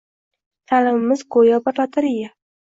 Ta’limimiz go‘yo bir lotereya